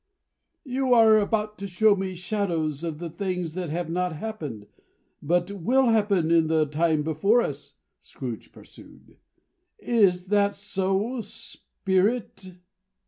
"You are about to show me shadows of the things that have not happened, but will happen in the time before us," Scrooge pursued. "Is that so, Spirit?"